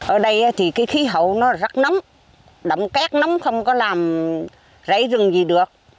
ở đây thì khí hậu nó rất nóng đậm cát nóng không có làm rảy rừng gì được